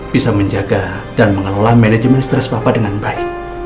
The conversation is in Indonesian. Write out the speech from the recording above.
bisa menjaga dan mengelola manajemen stres bapak dengan baik